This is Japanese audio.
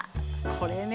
これね。